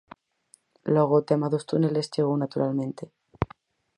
Logo o tema dos túneles chegou naturalmente.